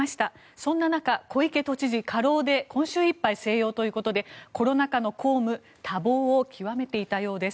そんな中、小池都知事過労で今週いっぱい静養ということでコロナ禍の公務多忙を極めていたようです。